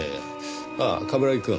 ああ冠城くん。